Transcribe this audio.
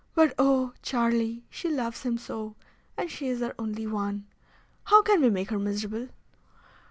But oh! Charlie, she loves him so, and she is our only one! How can we make her miserable?"